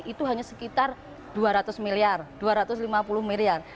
itu hanya sekitar dua ratus miliar dua ratus lima puluh miliar